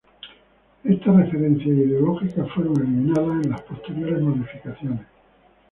Estas referencias ideológicas fueron eliminadas en las posteriores modificaciones.